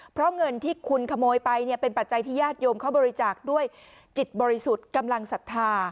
เพราะเงินที่คุณขโมยไปเนี่ยเป็นปัจจัยที่ญาติโยมเขาบริจาคด้วยจิตบริสุทธิ์กำลังศรัทธา